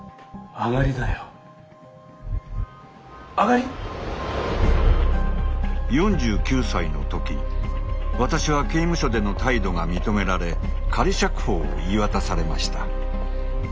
上がり⁉４９歳のとき私は刑務所での態度が認められ仮釈放を言い渡されました。